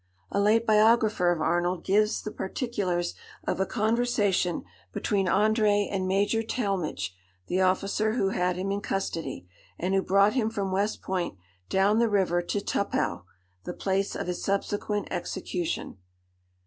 A late biographer of Arnold gives the particulars of a conversation between André and Major Tallmadge, the officer who had him in custody, and who brought him from West Point down the river to Tuppau, the place of his subsequent execution.